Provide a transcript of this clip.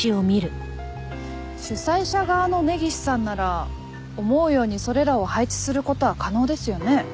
主催者側の根岸さんなら思うようにそれらを配置する事は可能ですよね。